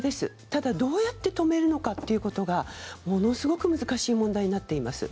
ただ、どうやって止めるのかということがものすごく難しい問題になっています。